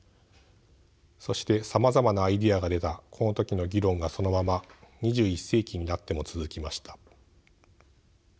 そしてさまざまなアイデアが出たこの時の議論がそのまま２１世紀になっても続きました。